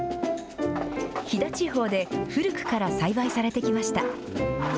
飛騨地方で古くから栽培されてきました。